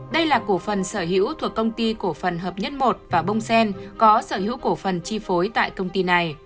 đây là cổ phần sở hữu thuộc công ty cổ phần hợp nhất một và bông sen có sở hữu cổ phần chi phối tại công ty này